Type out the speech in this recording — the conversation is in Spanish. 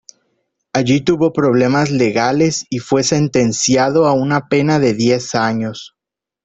Allí tuvo problemas legales y fue sentenciado a una pena de diez años.